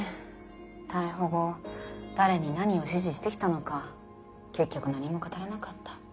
逮捕後誰に何を指示して来たのか結局何も語らなかった。